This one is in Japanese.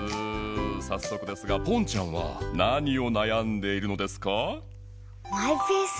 さっそくですがポンちゃんは何をなやんでいるのですか？